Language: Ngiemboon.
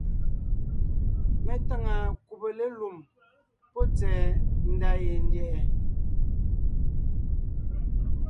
Mé táŋa kùbe lélùm pɔ́ tsɛ̀ɛ ndá yendyɛ̀ʼɛ.